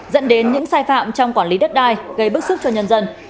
dẫn đến những sai phạm trong quản lý đất đai gây bức xúc cho nhân dân